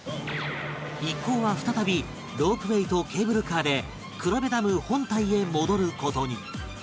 一行は再びロープウェーとケーブルカーで黒部ダム本体へ戻る事に